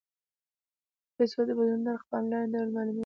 د پيسو د بدلولو نرخ په انلاین ډول معلومیږي.